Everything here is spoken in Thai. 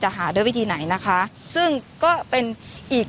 หลากหลายรอดอย่างเดียว